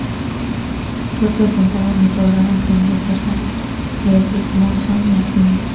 Fue presentado en el programa Sin reservas de Ritmoson Latino.